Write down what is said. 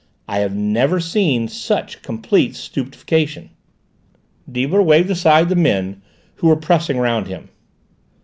I have never seen such complete stupefaction." Deibler waved aside the men who were pressing round him.